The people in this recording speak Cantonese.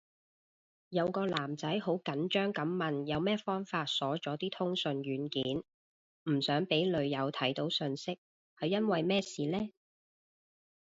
有個男仔好緊張噉問有咩方法鎖咗啲通訊軟件，唔想俾女友睇到訊息，係因為咩事呢？